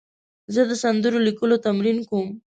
زه د سندرو لیکلو تمرین کوم.